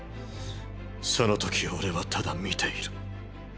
その時俺はただ見ている。